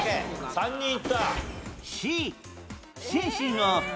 ３人いった。